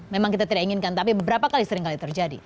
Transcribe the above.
memang kita tidak inginkan tapi beberapa kali seringkali terjadi